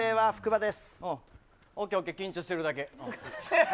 ＯＫＯＫ、緊張してるだけ。